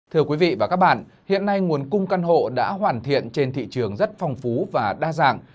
thưa quý vị và các bạn hiện nay nguồn cung căn hộ đã hoàn thiện trên thị trường rất phong phú và đa dạng